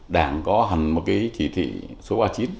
đảng có hẳn một cái chỉ thị số ba mươi chín